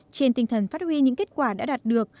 trên tinh thần phát huy những kết quả đã đạt được